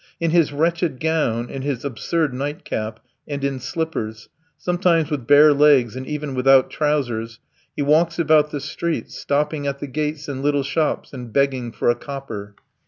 In his wretched gown, in his absurd night cap, and in slippers, sometimes with bare legs and even without trousers, he walks about the streets, stopping at the gates and little shops, and begging for a copper.